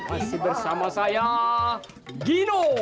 masih bersama saya gino